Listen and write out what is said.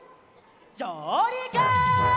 じょうりく！